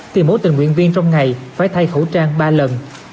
thì mỗi tình nguyện viên trong ngày phải thay khẩu trang ba lần